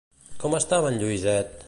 Com estava en Lluïset?